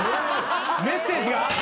メッセージが？